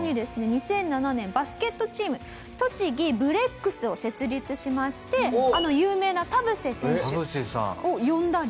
２００７年バスケットチーム栃木ブレックスを設立しましてあの有名な田臥選手を呼んだり。